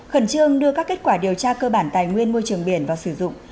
khẩn trương đưa các kết quả điều tra cơ bản tài nguyên môi trường biển vào sử dụng